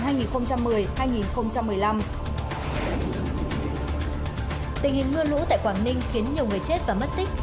tình hình mưa lũ tại quảng ninh khiến nhiều người chết và mất tích